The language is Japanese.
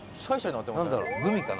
グミかな？